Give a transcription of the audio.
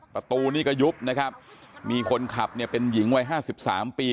ประตูนี่ก็ยุบนะครับมีคนขับเนี่ยเป็นหญิงวัยห้าสิบสามปี